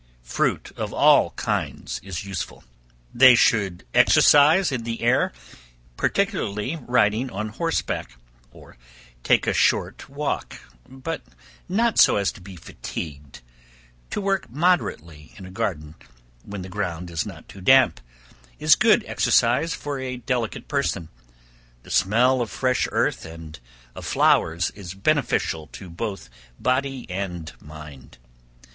Fruit of all kinds is useful. They should take exercise in the air, particularly riding on horse back, or take a short walk, but not so as to be fatigued; to work moderately in a garden, when the ground is not too damp, is good exercise for a delicate person; the smell of fresh earth, and of flowers, is beneficial to both body and mind.